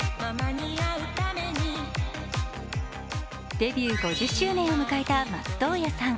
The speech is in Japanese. デビュー５０周年を迎えた松任谷さん。